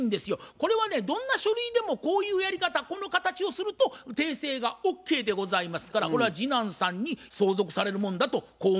これはねどんな書類でもこういうやり方この形をすると訂正がＯＫでございますからこれは次男さんに相続されるもんだとこう思いますですね。